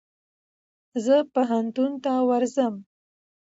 زه پوهنتون ته ورځم.